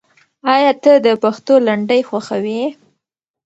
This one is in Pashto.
آیا ته د پښتو لنډۍ خوښوې؟